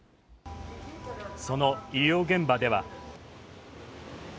その医療現場では。